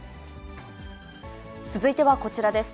続いてはこちらです。